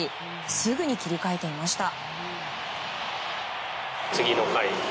すぐに切り替えていました。